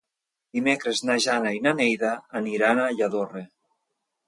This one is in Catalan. Dimecres na Jana i na Neida aniran a Lladorre.